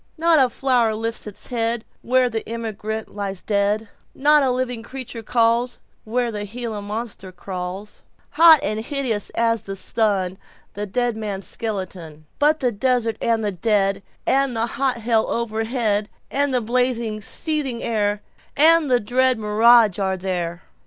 Not a flower lifts its headWhere the emigrant lies dead; Not a living creature callsWhere the Gila Monster crawls, Hot and hideous as the sun, To the dead man's skeleton; But the desert and the dead, And the hot hell overhead, And the blazing, seething air, And the dread mirage are there.